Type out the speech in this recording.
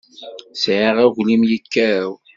Sɛiɣ aglim yekkaw.